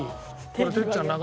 これ。